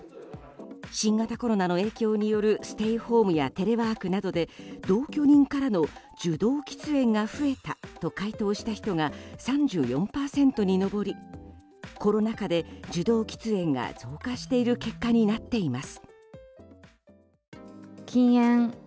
新型コロナの影響によるステイホームやテレワークなどで同居人からの受動喫煙が増えたと回答した人が３４％に上りコロナ禍で受動喫煙が増加している結果になっています。